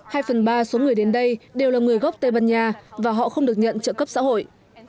hai phần ba số người đến đây đều là người gốc tây ban nha và họ không được nhận trợ cấp xã hội